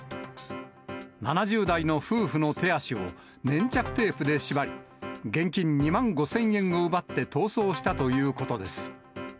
７０代の夫婦の手足を粘着テープで縛り、現金２万５０００円を奪って逃走したということです。